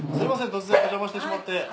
突然おじゃましてしまって。